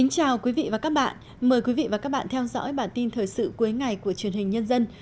chào mừng quý vị đến với bản tin thời sự cuối ngày của truyền hình nhân dân